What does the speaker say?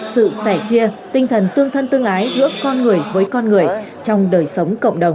sự sẻ chia tinh thần tương thân tương ái giữa con người với con người trong đời sống cộng đồng